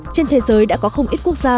trên thế giới đã có không ít quốc gia